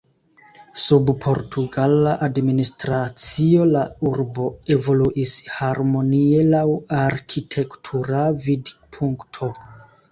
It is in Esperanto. Sub portugala administracio la urbo evoluis harmonie laŭ arkitektura vidpunkto.